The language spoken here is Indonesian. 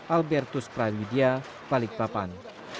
albertus pravidia balikpapan